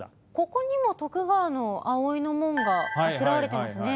ここにも徳川の葵の紋があしらわれてますね。